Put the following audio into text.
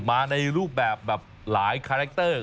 มาในรูปแบบแบบหลายคาแรคเตอร์